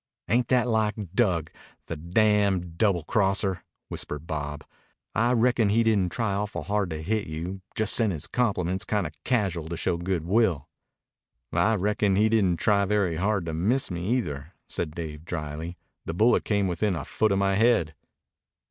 "Ain't that like Dug, the damned double crosser?" whispered Bob. "I reckon he didn't try awful hard to hit you. Just sent his compliments kinda casual to show good will." "I reckon he didn't try very hard to miss me either," said Dave dryly. "The bullet came within a foot of my head."